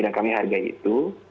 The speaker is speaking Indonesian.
dan kami hargai itu